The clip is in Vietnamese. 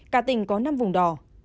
cả tỉnh có năm vùng đỏ